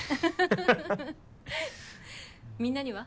フフみんなには？